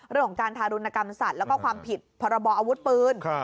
เรื่องของการทารุณกรรมสัตว์แล้วก็ความผิดพรบออาวุธปืน